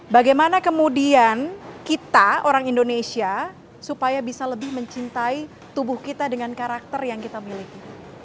bagaimana kemudian kita orang indonesia supaya bisa lebih mencintai tubuh kita dengan karakter yang kita miliki